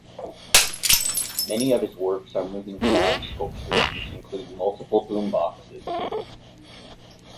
Many of his works are moving sound sculptures which include multiple boomboxes.